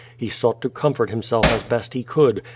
He sought to comfort himself as best he could.